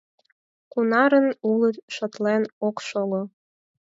Кунарын улыт, шотлен ок шого.